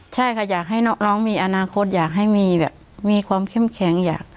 ใช่ค่ะอยากให้น้องมีอนาคตอยากให้มีแบบมีความเข้มแข็ง